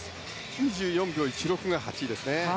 ２４秒１６が８位ですね。